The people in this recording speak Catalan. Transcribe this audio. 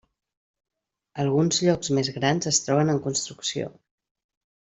Alguns llocs més grans es troben en construcció.